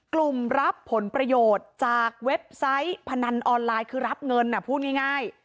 รับผลประโยชน์จากเว็บไซต์พนันออนไลน์คือรับเงินพูดง่าย